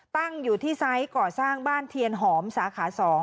ตั้งอยู่ที่ไซส์ก่อสร้างบ้านเทียนหอมสาขา๒